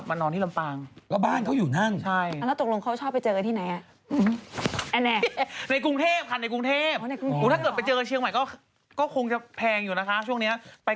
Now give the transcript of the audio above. ไม่ถ้าถามเวลาก็ไม่ใช่ใช่ใช่